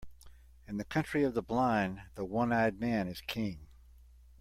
In the country of the blind, the one-eyed man is king.